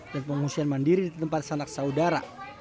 dan pengungsian mandiri di tempat sanak saudara